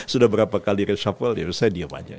sudah berapa kali reshuffle ya saya diem aja